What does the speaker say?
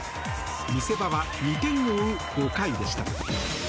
見せ場は２点を追う５回でした。